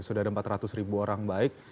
sudah ada empat ratus ribu orang baik